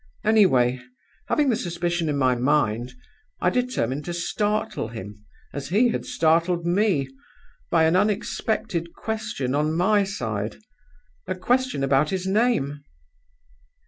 Any way, having the suspicion in my mind, I determined to startle him, as he had startled me, by an unexpected question on my side a question about his name.